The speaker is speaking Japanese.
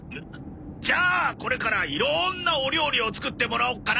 じゃあこれからいろんなお料理を作ってもらおうかな！